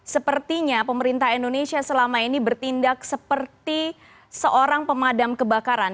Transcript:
sepertinya pemerintah indonesia selama ini bertindak seperti seorang pemadam kebakaran